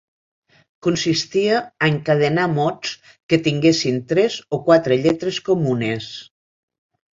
Consistia a encadenar mots que tinguessin tres o quatre lletres comunes.